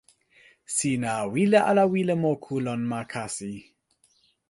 sina wile ala wile moku lon ma kasi?